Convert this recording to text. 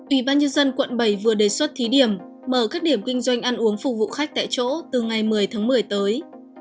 ủy ban nhân dân quận bảy vừa đề xuất thí điểm mở các điểm kinh doanh ăn uống phục vụ khách tại chỗ từ ngày một mươi tháng một mươi tới